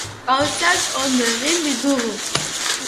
Gauzak ondo egin ditugu.